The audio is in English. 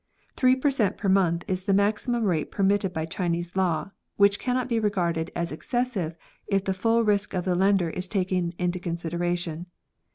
Three per cent, per month is the maximum rate permitted by Chinese law, which cannot be re garded as excessive if the full risk of the lender is taken into consideration.